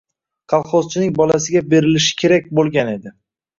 Kolxozchining bolasiga berilishi kerak bo‘lgan edi.